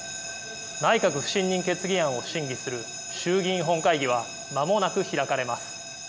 内閣不信任決議案を審議する衆議院本会議はまもなく開かれます。